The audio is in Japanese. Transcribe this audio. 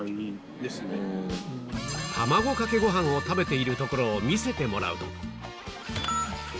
卵かけご飯を食べているところを見せてもらうと